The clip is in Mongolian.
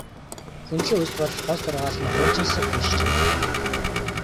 Күнзийн үзэл бодлын гол сургаал нь хуучинсаг шинж чанартай байдаг юм.